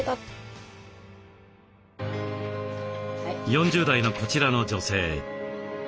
４０代のこちらの女性。